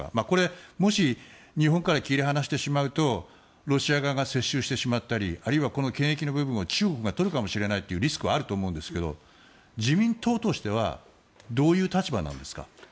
これは、もし日本から切り離してしまうとロシア側が接収してしまったりあるいはこの権益の部分を中国がとるかもしれないというリスクがあるかもしれないんですけど自民党としてはどういう立場なんですか？